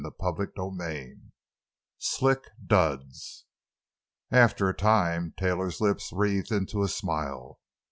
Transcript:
CHAPTER II—SLICK DUDS After a time Taylor's lips wreathed into a smile.